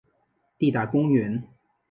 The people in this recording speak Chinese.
立达公园。